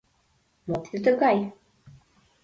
Мо тиде тыгай?